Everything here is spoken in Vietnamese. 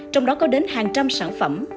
trong đó có đến hàng trăm sản phẩm